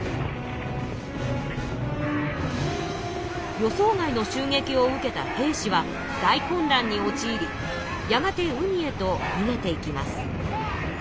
予想外のしゅうげきを受けた平氏は大混乱におちいりやがて海へとにげていきます。